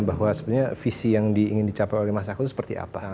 bahwa sebenarnya visi yang ingin dicapai oleh masyarakat itu seperti apa